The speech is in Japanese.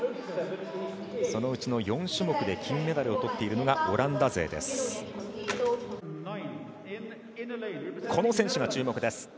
そのうちの４種目で金メダルをとっているのがオランダ勢です。